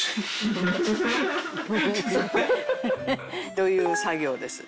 という作業です。